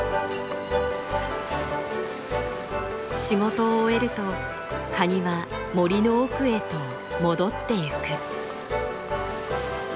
仕事を終えるとカニは森の奥へと戻ってゆく。